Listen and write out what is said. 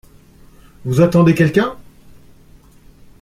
Vous attendez quelqu’un ?